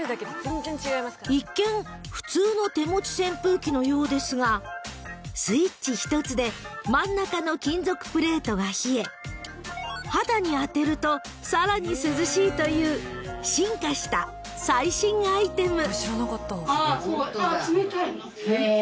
［一見普通の手持ち扇風機のようですがスイッチひとつで真ん中の金属プレートが冷え肌に当てるとさらに涼しいという進化した最新アイテム］